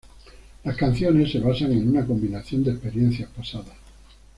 Las canciones se basan en una combinación de experiencias pasadas.